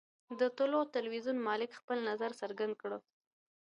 د طلوع ټلویزیون مالک خپل نظر څرګند کړ.